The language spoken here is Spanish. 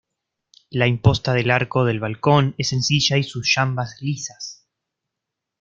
La imposta del arco del balcón es sencilla y sus jambas lisas.